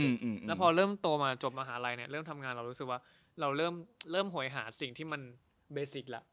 เจอมาตั้งแต่เด็กแล้วพอเริ่มโตมาจบมหาลัยเริ่มทำงานเรารู้สึกว่าเราเริ่มหวยหาสิ่งที่มันเบสิกแล้ว